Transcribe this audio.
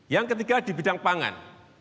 yang ketiga di bidang pangan